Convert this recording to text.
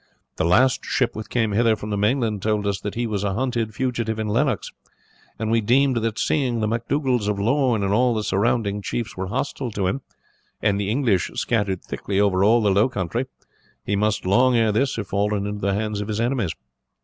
"The last ship which came hither from the mainland told us that he was a hunted fugitive in Lennox; and we deemed that seeing the MacDougalls of Lorne and all the surrounding chiefs were hostile to him, and the English scattered thickly over all the low country, he must long ere this have fallen into the hands of his enemies."